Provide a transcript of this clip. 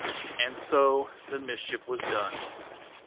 And so the mischief was done.